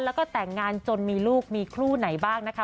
แล้วก็แต่งงานจนมีลูกมีคู่ไหนบ้างนะคะ